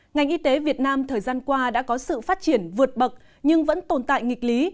ngành y tế việt nam thời gian qua đã có sự phát triển vượt bậc nhưng vẫn tồn tại nghịch lý